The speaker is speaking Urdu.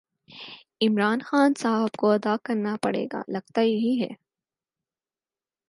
عمران خان صاحب کو ادا کرنا پڑے لگتا یہی ہے